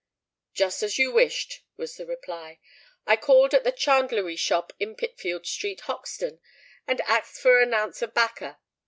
"Just as you wished," was the reply. "I called at the chandlery shop in Pitfield Street, Hoxton, and axed for a nounce of bakker.